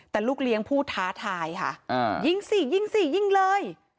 แต่ลูกเลี้ยงพูดท้าทายค่ะยิงสิยิงสิยิงเลย